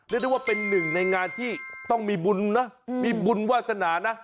เรียกได้ว่าเป็นหนึ่งในงานที่ต้องมีบุญนะมีบุญวาสนานะ